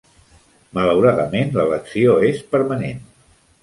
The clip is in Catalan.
Malauradament, l'elecció és permanent.